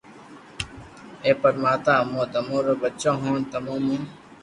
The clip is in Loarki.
اي پرماتما امون تمو رو ٻچو ھون تمو مون